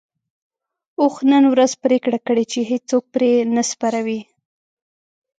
اوښ نن ورځ پرېکړه کړې چې هيڅوک پرې نه سپروي.